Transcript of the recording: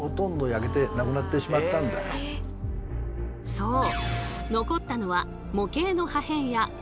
そう！